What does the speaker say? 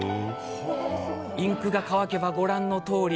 インクが乾けば、ご覧のとおり。